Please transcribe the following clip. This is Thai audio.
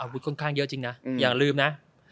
ค่อนข้างเยอะจริงนะอย่าลืมนะ